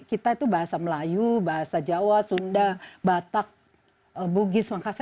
kita itu bahasa melayu bahasa jawa sunda batak bugis makassar